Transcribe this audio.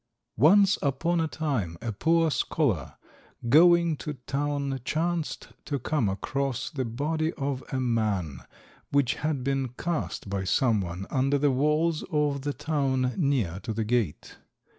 Once upon a time a poor scholar going to town chanced to come across the body of a man which had been cast by some one under the walls of the town near to the gate.